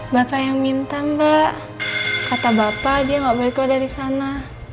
bapak yang minta mbak kata bapak dia nggak boleh keluar dari sana